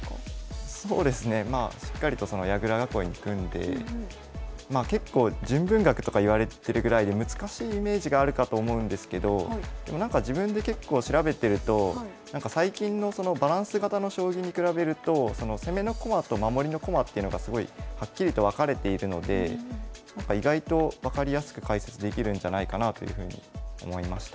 そうですねまあしっかりとその矢倉囲いに組んでまあ結構純文学とかいわれてるぐらいで難しいイメージがあるかと思うんですけどでもなんか自分で結構調べてると最近のバランス型の将棋に比べると意外と分かりやすく解説できるんじゃないかなというふうに思いました。